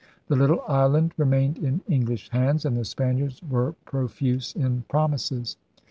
The little island remained in English hands; and the Spaniards were profuse in promises.